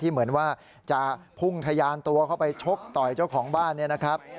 เหมือนว่าจะพุ่งทะยานตัวเข้าไปชกต่อยเจ้าของบ้านเนี่ยนะครับ